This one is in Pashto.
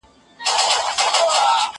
خلك پوه سول چي خبره د قسمت ده